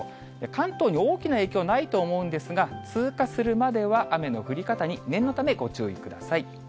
関東に大きな影響ないと思うんですが、通過するまでは雨の降り方に、念のためご注意ください。